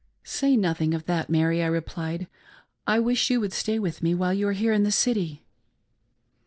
" Say nothing of that, Mary ;" I replied. " I wish you would stay with me while you are in the City."